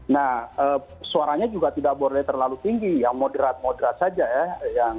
nah suaranya juga tidak boleh terlalu tinggi yang moderat moderat saja ya